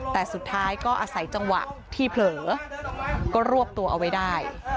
แต่สุดท้ายก็อาศัยจังหวะที่เผลอก็รวบตัวเอาไว้ได้